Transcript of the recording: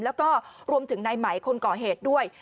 แล้วก็รวมถึงในไหมคนก่อเหตุด้วย